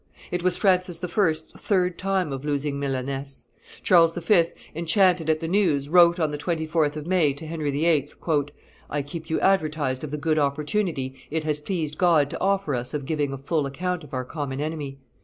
It was Francis I.'s third time of losing Milaness. Charles V., enchanted at the news, wrote on the 24th of May to Henry VIII., "I keep you advertised of the good opportunity it has pleased God to offer us of giving a full account of our common enemy.